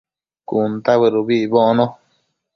cuntabëd ubi icbocno